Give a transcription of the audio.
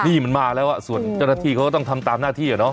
นี่มันมาแล้วส่วนจริงเขาก็ต้องทำตามหน้าที่หรอ